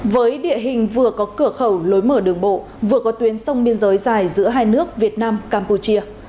với địa hình vừa có cửa khẩu lối mở đường bộ vừa có tuyến sông biên giới dài giữa hai nước việt nam campuchia